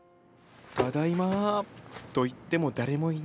ただいまと言っても誰もいない。